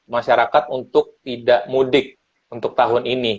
masyarakat untuk tidak mudik untuk tahun ini